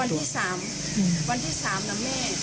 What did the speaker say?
วันที่สามวันที่สามนะแม่